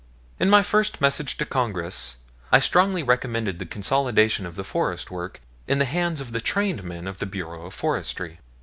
In my first message to Congress I strongly recommended the consolidation of the forest work in the hands of the trained men of the Bureau of Forestry.